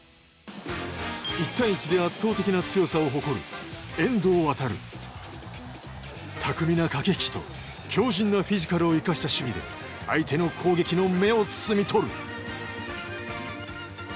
１対１で圧倒的な強さを誇る巧みな駆け引きと強じんなフィジカルを生かした守備で相手の攻撃の芽を摘み取る。